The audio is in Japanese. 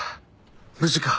無事か？